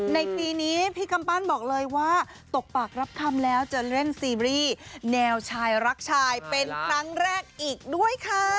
ในปีนี้พี่กำปั้นบอกเลยว่าตกปากรับคำแล้วจะเล่นซีรีส์แนวชายรักชายเป็นครั้งแรกอีกด้วยค่ะ